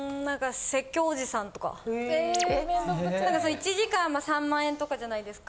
１時間３万円とかじゃないですか。